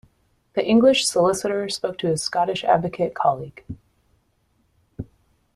The English solicitor spoke to his Scottish advocate colleague